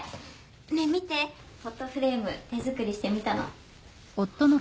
ねえ見てフォトフレーム手作りしてみたの